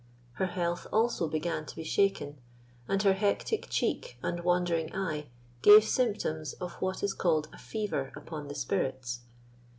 Her health also began to be shaken, and her hectic cheek and wandering eye gave symptoms of what is called a fever upon the spirits.